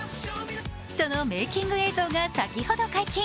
そのメーキング映像が先ほど解禁。